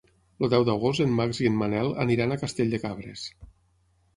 El deu d'agost en Max i en Manel aniran a Castell de Cabres.